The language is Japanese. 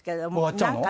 終わっちゃうの？